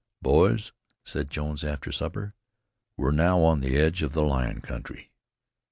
"Boys," said Jones after supper, "we're now on the edge of the lion country.